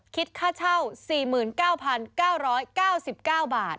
คิดค่าเช่า๔๙๙๙๙๙บาท